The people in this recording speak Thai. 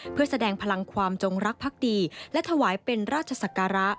เพื่อแสดงพลังความจงรักภักดีและถวายเป็นราชศักระ